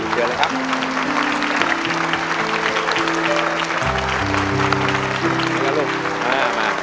เชิญครับน้องพี